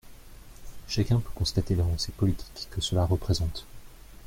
Chacun peut constater l’avancée politique que cela représente.